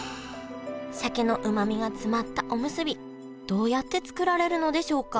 鮭のうまみが詰まったおむすびどうやって作られるのでしょうか？